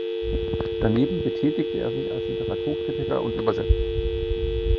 Daneben betätigte er sich als Literaturkritiker und Übersetzer.